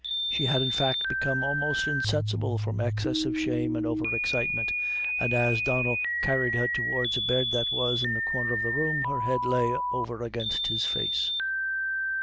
She had, in fact, become almost insensible from excess of shame and over excitement, and, as Donnel carried her towards a bed that was in the corner of the room, her head lay over against his face.